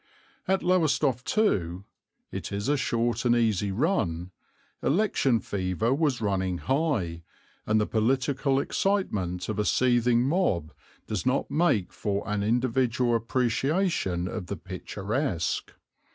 At Lowestoft too it is a short and easy run election fever was running high, and the political excitement of a seething mob does not make for an individual appreciation of the picturesque.